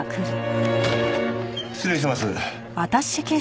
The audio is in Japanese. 失礼します。